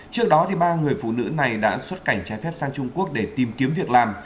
trước đó ba người phụ nữ này đã xuất cảnh trái phép sang trung quốc để tìm kiếm việc làm